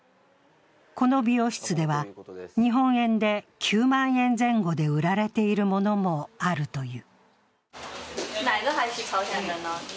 この美容室では日本円で９万円前後で売られているものもあるという。